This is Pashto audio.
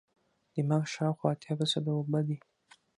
دماغ شاوخوا اتیا فیصده اوبه دي.